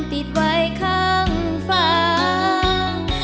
ติดไว้ข้างฟาง